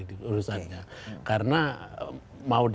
karena mau diapakan juga pak lanyala ini kan nyalonnya kan nyalon dpd